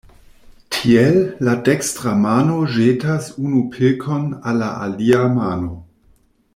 Tiel, la dekstra mano ĵetas unu pilkon al la alia mano.